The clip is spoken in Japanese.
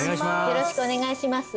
よろしくお願いします